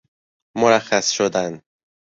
مرخص شدن